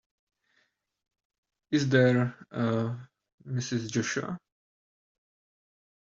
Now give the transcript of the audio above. Is there a Mrs. Joshua?